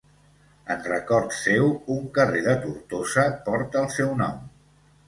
En record seu, un carrer de Tortosa porta el seu nom.